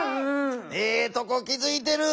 ええとこ気づいてる。